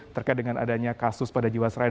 terkait dengan adanya kasus pada jiwasraya